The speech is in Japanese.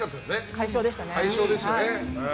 快勝でしたね。